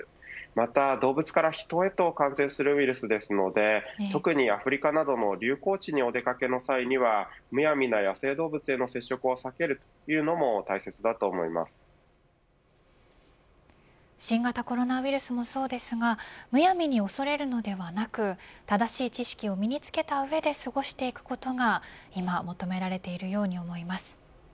また動物からヒトへと感染するウイルスなので特にアフリカなどの流行地によってお出掛けの際はむやみな野生動物への接触を避けるというのも新型コロナウイルスもそうですがむやみに恐れるのではなく正しい知識を身につけた上で過ごしていくことが今求められているように思います。